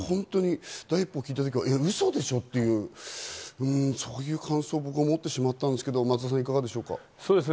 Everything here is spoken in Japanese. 一報を聞いた時、嘘でしょ？と、そういう感想を僕もってしまったんですけれど、松田さん、いかがでしょうか？